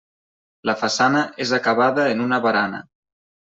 La façana és acabada en una barana.